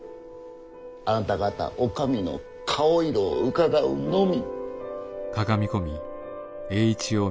あなた方お上の顔色をうかがうのみ。